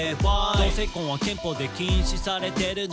「同性婚は憲法で禁止されてるの？